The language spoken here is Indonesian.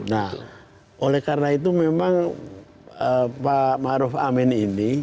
nah oleh karena itu memang pak maruf amin ini